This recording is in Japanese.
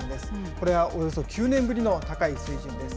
これはおよそ９年ぶりの高い水準です。